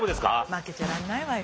負けちゃらんないわよ！